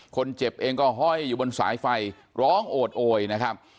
คนเจ็บเองก็ห้อยอยู่บนสายไฟร้องโอดโอยนะครับ